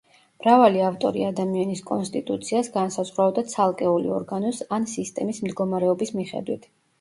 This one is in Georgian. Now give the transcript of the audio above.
მრავალი ავტორი ადამიანის კონსტიტუციას განსაზღვრავდა ცალკეული ორგანოს ან სისტემის მდგომარეობის მიხედვით.